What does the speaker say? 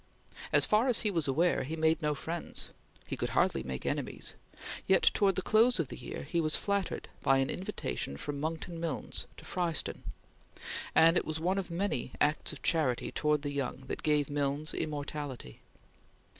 As far as he was aware, he made no friends; he could hardly make enemies; yet towards the close of the year he was flattered by an invitation from Monckton Milnes to Fryston, and it was one of many acts of charity towards the young that gave Milnes immortality.